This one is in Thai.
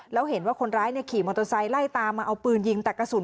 แล้วเห็นว่าคนร้ายขี่มอเตอร์ไซค์ไล่ตามมาเอาปืนยิงแต่กระสุน